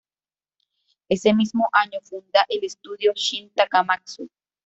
Ese mismo año funda el estudio "Shin Takamatsu".